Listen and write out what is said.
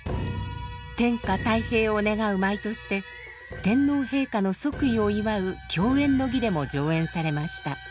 天下太平を願う舞として天皇陛下の即位を祝う「饗宴の儀」でも上演されました。